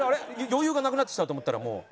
余裕がなくなってきた」と思ったらもう。